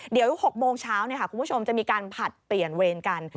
เดี๋ยว๖โมงเช้าคุณผู้ชมจะมีการผลัดเปลี่ยนเวรกัน